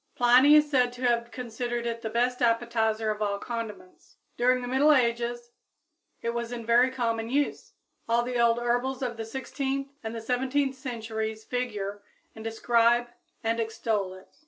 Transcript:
Pliny is said to have considered it the best appetizer of all condiments. During the middle ages it was in very common use. All the old herbals of the sixteenth and the seventeenth centuries figure and describe and extol it.